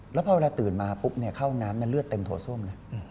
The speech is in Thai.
แล้วพอเวลาตื่นมาปุ๊บเข้าน้ำเลือดเต็มโถส้มนะ